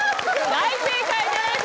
大正解です！